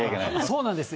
そうなんです。